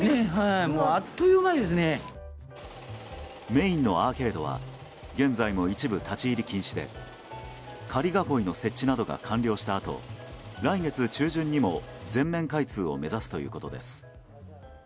メインのアーケードは現在も一部立ち入り禁止で仮囲いの設置などが完了したあと来月中旬にも全面開通を目指すということです。